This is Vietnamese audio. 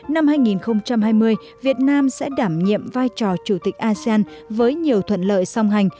năm hai nghìn hai mươi việt nam sẽ đảm nhiệm vai trò chủ tịch asean với nhiều thuận lợi song hành